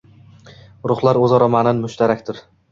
– ruhlar o‘zaro ma’nan mushtarakdir